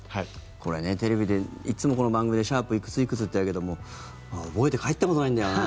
これね、テレビでいつもこの番組でシャープいくついくつってやるけども覚えて帰ったことないんだよな。